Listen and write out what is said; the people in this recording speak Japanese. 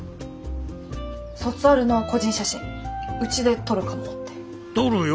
卒アルの個人写真うちで撮るかもって。